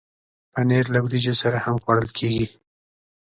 پنېر له وریجو سره هم خوړل کېږي.